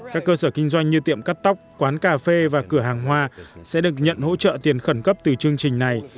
các cơ sở kinh doanh như tiệm cắt tóc quán cà phê và cửa hàng hoa sẽ được nhận hỗ trợ tiền khẩn cấp từ chương trình này